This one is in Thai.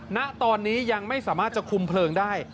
ณตอนนี้ยังไม่สามารถจะคุมเพลิงได้